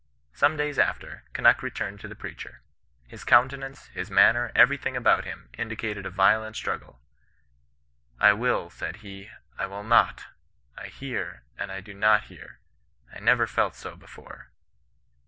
Some days after, Kunnuk re turned to the preacher. His countenance, his manner, every thing about him, indicated a violent struggle. ' I will,' said he, ' I will not — I hear, and I do not hear. I never felt bo before.'